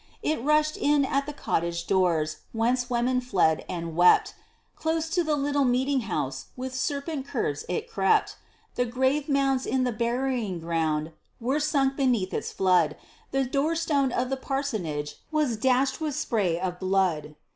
It rushed in at the cottage doors whence women fled and wept; Close to the little meeting house with serpent curves it crept; The grave mounds in the burying ground were sunk beneath its flood; The doorstone of the parsonage was dashed with spray of blood.